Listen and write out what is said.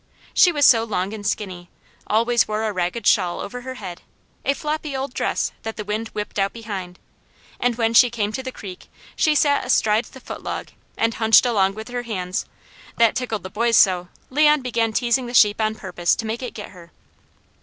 She was so long and skinny, always wore a ragged shawl over her head, a floppy old dress that the wind whipped out behind, and when she came to the creek, she sat astride the foot log, and hunched along with her hands; that tickled the boys so, Leon began teasing the sheep on purpose to make it get her.